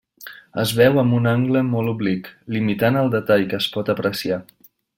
Es veu amb un angle molt oblic, limitant el detall que es pot apreciar.